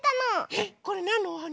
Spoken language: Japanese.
えっこれなんのおはな？